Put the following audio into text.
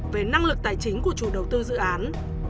về năng lực tài chính của chủ đầu tư dự án